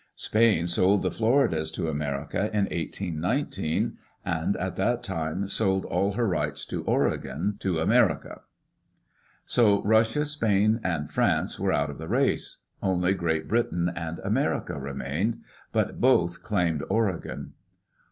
Spain sold the Floridas to America in 18 19, and at that time sold all her rights to Oregon to America. So Russia, Spain, and France were out of the race. Only Great Britain and America remained — but both claimed Oregon.